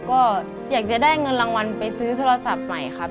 ก็อยากจะได้เงินรางวัลไปซื้อโทรศัพท์ใหม่ครับ